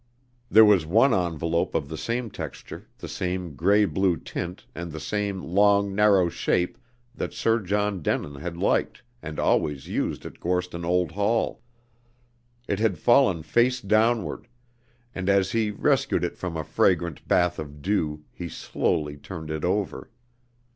There was one envelope of the same texture, the same gray blue tint, and the same long, narrow shape that Sir John Denin had liked and always used at Gorston Old Hall. It had fallen face downward; and as he rescued it from a fragrant bath of dew, he slowly turned it over.